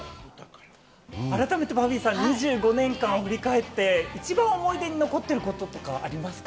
改めてＰＵＦＦＹさん、２５年間を振り返って一番思い出に残っていることとかありますか？